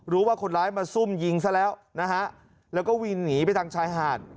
รู้ว่าคนร้ายมาซุ่มยิงซะแล้วนะฮะแล้วก็วิ่งหนีไปทางชายหาด